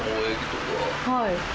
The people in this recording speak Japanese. はい。